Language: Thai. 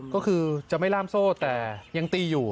ก็คือจะไม่ล่ามโซ่แต่ยังตีอยู่